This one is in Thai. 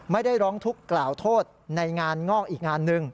ไม่ได้ร้องทุกข์กล่าวโทษในงานงอกอีกงานหนึ่ง